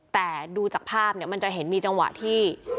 แต่ดูจากภาพเนี่ยมันจะเห็นมีจังหวะที่